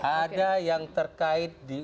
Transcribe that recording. ada yang terkait